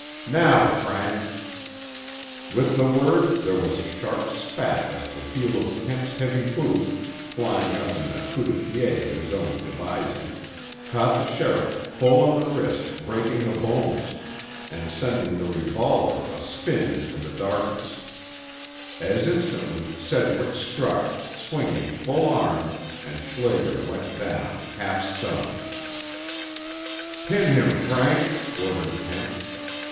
Now, Frank!" With the word there was a sharp spat as the heel of Kent's heavy boot, flying up in the coup de pied of his own devising, caught the sheriff full on the wrist breaking the bones, and sending the revolver a spin into the darkness. As instantly Sedgwick struck, swinging full armed, and Schlager went down, half stunned. "Pin him, Frank," ordered Kent.